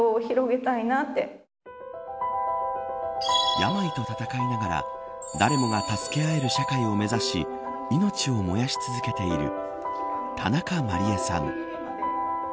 病と闘いながら誰もが助け合える社会を目指し命を燃やし続けている田中麻莉絵さん。